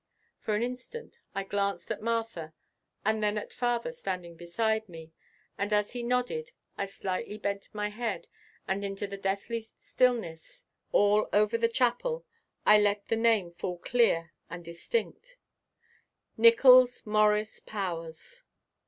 For an instant I glanced at Martha and then at father standing beside me, and as he nodded I slightly bent my head and into a deathly stillness all over the chapel I let the name fall clear and distinct: "Nickols Morris Powers."